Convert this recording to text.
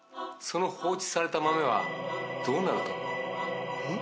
その放置された豆はどうなると思う？